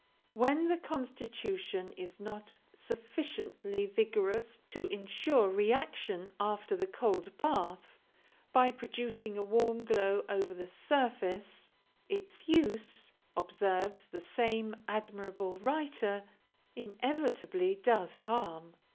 When the constitution is not sufficiently vigorous to ensure reaction after the cold bath, by producing a warm glow over the surface, 'its use,' observes the same admirable writer, 'inevitably does harm.'